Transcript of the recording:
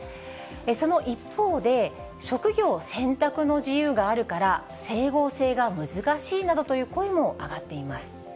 その一方で、職業選択の自由があるから整合性が難しいなどという声も上がっています。